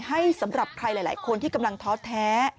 สำหรับใครหลายคนที่กำลังท้อแท้